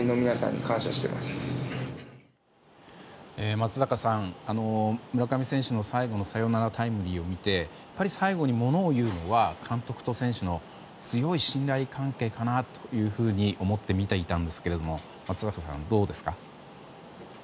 松坂さん、村上選手の最後のサヨナラタイムリーを見てやっぱり最後にものをいうのは監督と選手の強い信頼関係かなというふうに思って、見ていたんですが松坂さんはどうですか？